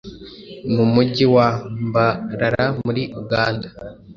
mu Mujyi wa Mbarara muri Uganda.